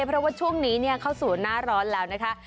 เพราะว่าช่วงนี้เข้าสู่หน้าร้อนแล้วนะคะ